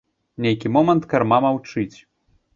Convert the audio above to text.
Нейкі момант карма маўчыць.